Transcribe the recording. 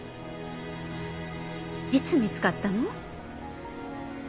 いつ見つかったの？